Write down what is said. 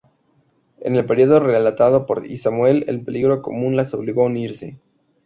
En el período relatado por I Samuel, el peligro común las obligó a unirse.